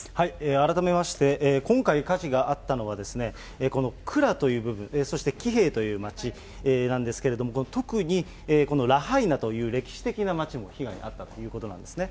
改めまして、今回、火事があったのは、このクラという部分、そしてキヘイという街なんですけれども、特にこのラハイナという歴史的な街も被害に遭ったということなんですね。